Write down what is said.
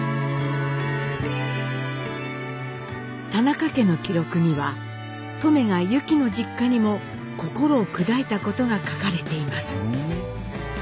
田中家の記録にはトメがユキの実家にも心を砕いたことが書かれています。